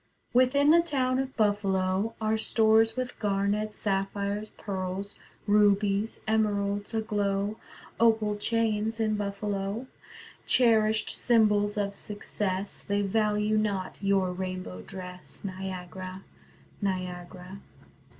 Within the town of Buffalo Are stores with garnets, sapphires, pearls, Rubies, emeralds aglow, Opal chains in Buffalo, Cherished symbols of success. They value not your rainbow dress: Niagara, Niagara.